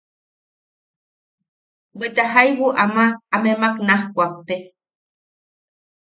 Bweta jaibu ama amemak naj kuakte.